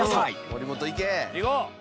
森本いけ！